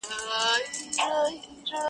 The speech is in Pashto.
• چي اسلام وي د طلا بلا نیولی -